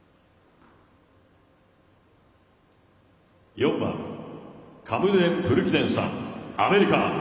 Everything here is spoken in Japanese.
４番カムデン・プルキネンさんアメリカ。